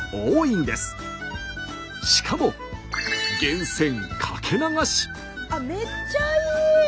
しかもめっちゃいい！